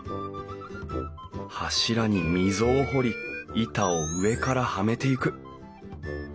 柱に溝を掘り板を上からはめていく。